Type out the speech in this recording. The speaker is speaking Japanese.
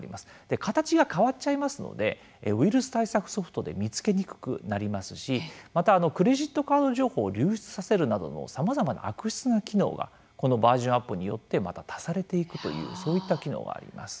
形が変わっちゃいますのでウイルス対策ソフトで見つけにくくなりますしまたクレジットカード情報を流出させるなどのさまざまな悪質な機能がこのバージョンアップによってまた足されていくというそういった機能があります。